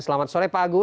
selamat sore pak agus